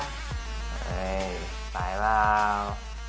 เฮ้ยตายป่าว